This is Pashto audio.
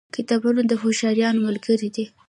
کتابونه د هوښیارانو ملګري دي.